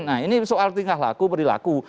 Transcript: nah ini soal tingkah laku perilaku